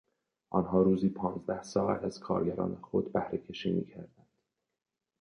آنها روزی پانزده ساعت از کارگران خود بهرهکشی میکردند.